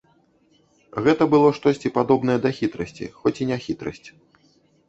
Гэта было штосьці падобнае да хітрасці, хоць і не хітрасць.